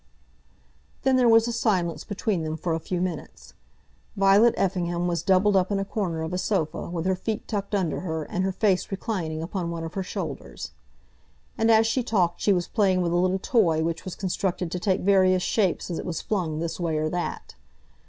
Then there was a silence between them for a few minutes. Violet Effingham was doubled up in a corner of a sofa, with her feet tucked under her, and her face reclining upon one of her shoulders. And as she talked she was playing with a little toy which was constructed to take various shapes as it was flung this way or that.